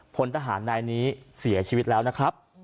พลทหารนายนี้เสียชีวิตแล้วนะครับ